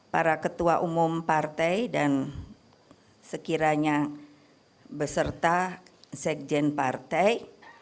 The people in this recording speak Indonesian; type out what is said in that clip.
para ketua umum partai dan sekiranya beserta sekjen partai